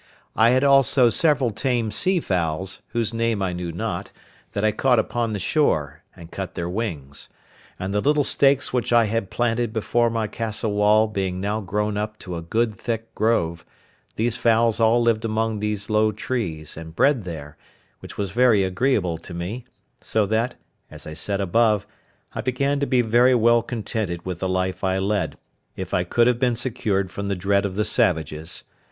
I had also several tame sea fowls, whose name I knew not, that I caught upon the shore, and cut their wings; and the little stakes which I had planted before my castle wall being now grown up to a good thick grove, these fowls all lived among these low trees, and bred there, which was very agreeable to me; so that, as I said above, I began to be very well contented with the life I led, if I could have been secured from the dread of the savages.